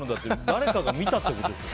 誰かが見たってことでしょ？